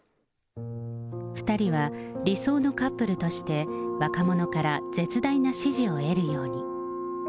２人は理想のカップルとして若者から絶大な支持を得るように。